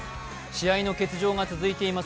試合の欠場が続いています